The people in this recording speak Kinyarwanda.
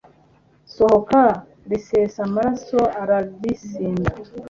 sohoka risesa amaraso aralisinda